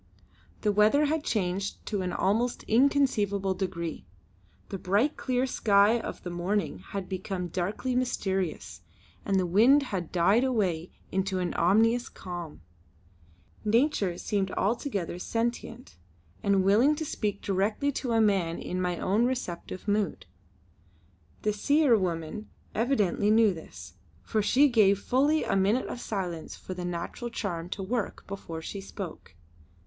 The weather had changed to an almost inconceivable degree. The bright clear sky of the morning had become darkly mysterious, and the wind had died away to an ominous calm. Nature seemed altogether sentient, and willing to speak directly to a man in my own receptive mood. The Seer woman evidently knew this, for she gave fully a minute of silence for the natural charm to work before she spoke.